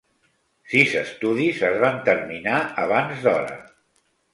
Sis estudis es van terminar abans d'hora.